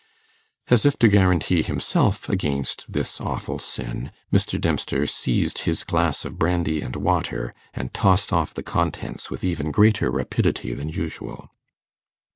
As if to guarantee himself against this awful sin, Mr. Dempster seized his glass of brandy and water, and tossed off the contents with even greater rapidity than usual.